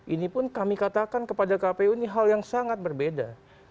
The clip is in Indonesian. ini pun kami katakan kepada kpu ini hal yang sangat berbeda